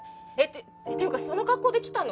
っていうかその格好で来たの？